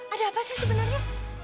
ada apa sih sebenarnya